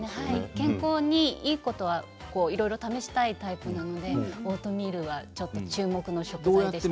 健康にいいことはいろいろ試したいタイプなのでオートミールはちょっと注目の食材でした。